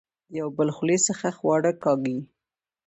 د يو بل خولې څخه خواړۀ کاږي